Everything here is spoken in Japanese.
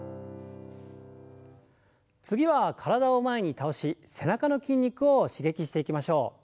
次は体を前に倒し背中の筋肉を刺激していきましょう。